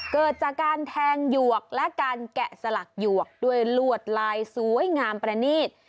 เกิดจากการแทงหยวกและการแกะสลักหยวกด้วยลวดลายสวยงามประนีต